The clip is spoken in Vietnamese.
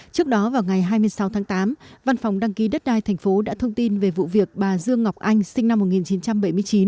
trước đó vào ngày hai mươi sáu tháng tám văn phòng đăng ký đất đai tp đã thông tin về vụ việc bà dương ngọc anh sinh năm một nghìn chín trăm bảy mươi chín